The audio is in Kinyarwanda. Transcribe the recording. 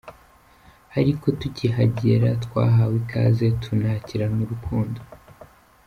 Ariko tukihagera twahawe ikaze tunakiranwa urukundo!!!”.